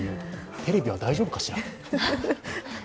テレビは大丈夫かしら。